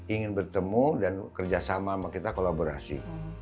ingin bertemu dan kerjasama sama kita kolaborasi